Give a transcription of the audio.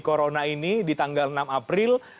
corona ini di tanggal enam april